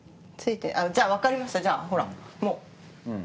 じゃあ分かりましたじゃあほらもう。